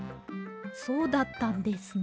そうだったんですね。